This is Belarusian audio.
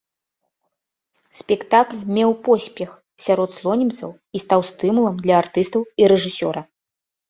Спектакль меў поспех сярод слонімцаў і стаў стымулам для артыстаў і рэжысёра.